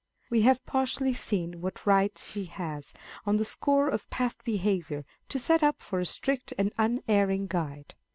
We have partly seen what right she has, on the score of past behaviour, to set up for a strict and unerring guide.